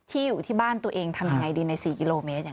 ที่อยู่ที่บ้านตัวเองทำอย่างไรได้ใน๔กิโลเมตร